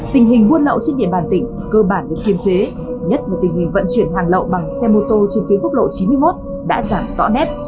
tình hình buôn lậu trên địa bàn tỉnh cơ bản được kiềm chế nhất là tình hình vận chuyển hàng lậu bằng xe mô tô trên tuyến quốc lộ chín mươi một đã giảm rõ nét